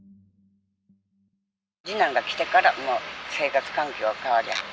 次男が来てから、もう、生活環境が変わった。